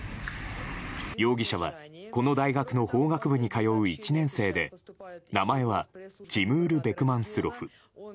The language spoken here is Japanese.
容疑者は、この大学の法学部に通う１年生で名前はチムール・ベクマンスロフ。